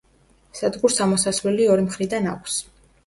სადგურს ამოსასვლელი ორი მხრიდან აქვს.